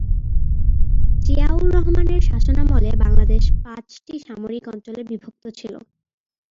জিয়াউর রহমানের শাসনামলে বাংলাদেশ পাঁচটি সামরিক অঞ্চলে বিভক্ত ছিল।